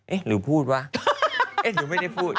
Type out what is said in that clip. เอ๊ะหรือพูดวะเอ๊ะหรือไม่ได้พูด